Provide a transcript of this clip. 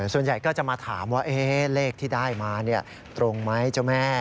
ส่วนใหญ่ก็จะมาถามว่าเลขที่ได้มาตรงไหมเจ้าแม่